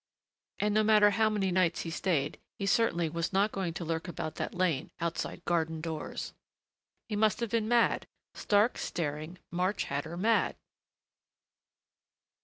And no matter how many nights he stayed he certainly was not going to lurk about that lane, outside garden doors! He must have been mad, stark, staring, March hatter mad!